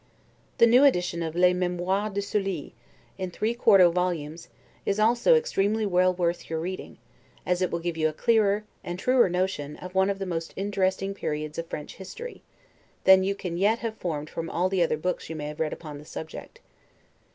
The new edition of 'Les Memoires de Sully', in three quarto volumes, is also extremely well worth your reading, as it will give you a clearer, and truer notion of one of the most interesting periods of the French history, than you can yet have formed from all the other books you may have read upon the subject.